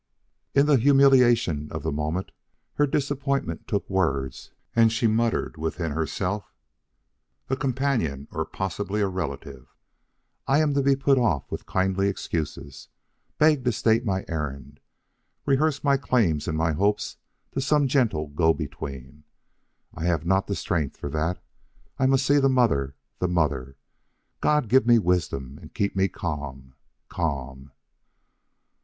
In the humiliation of the moment, her disappointment took words and she muttered within herself: "A companion or possibly a relative. I am to be put off with kindly excuses; begged to state my errand rehearse my claims and my hopes to some gentle go between! I have not strength for that. I must see the mother the mother. God give me wisdom and keep me calm calm."